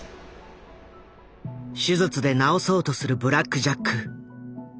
手術で治そうとするブラック・ジャック。